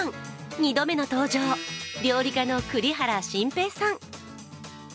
２度目の登場、料理家の栗原心平さん。